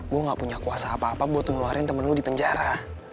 gue gak punya kuasa apa apa buat ngeluarin temen lu di penjara